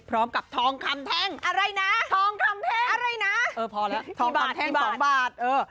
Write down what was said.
พร้อมกับทองคำแท่งอะไรนะพอแล้วทองคำแท่ง๒บาทเออ